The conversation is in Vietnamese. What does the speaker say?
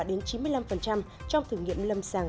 đến chín mươi năm trong thử nghiệm lâm sàng